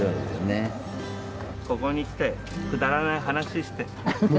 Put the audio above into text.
ここに来てくだらない話して。